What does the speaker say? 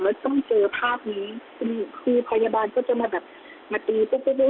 แล้วต้องเจอภาพนี้คือพยาบาลก็จะมาแบบมาตีตุ๊ก